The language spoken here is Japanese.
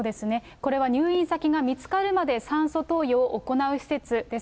これは入院先が見つかるまで酸素投与を行う施設です。